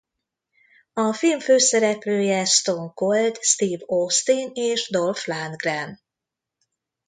A film főszereplője Stone Cold Steve Austin és Dolph Lundgren.